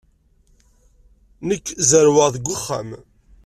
Nekk zerrweɣ deg uxxam.